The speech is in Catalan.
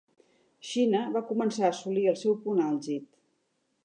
Xina va començar a assolir el seu punt àlgid.